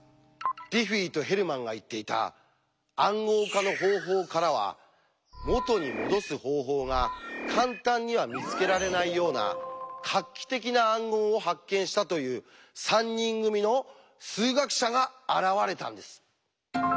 ディフィーとヘルマンが言っていた「暗号化の方法」からは「元にもどす方法」が簡単には見つけられないような画期的な暗号を発見したという３人組の数学者が現れたんです。